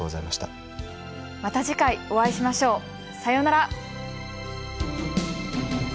また次回お会いしましょう。さようなら。